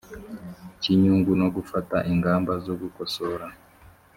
cy inyungu no gufata ingamba zo gukosora